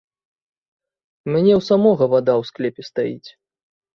У мяне ў самога вада ў склепе стаіць.